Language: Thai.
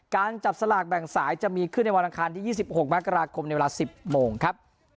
การจับสลากแบ่งสายจะมีขึ้นในวันอังคารที่๒๖มกราคมในเวลา๑๐โมงครับ